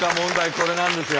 これなんですよ。